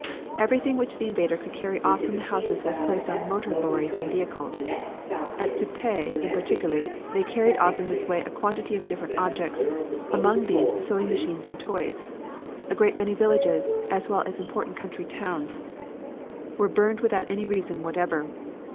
Everything which the invader could carry off from the houses was placed on motor lorries and vehicles. At Suippes, in particular, they carried off in this way a quantity of different objects, among these sewing machines and toys. A great many villages, as well as important country towns, were burned without any reason whatever.